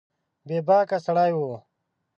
بې باکه سړی و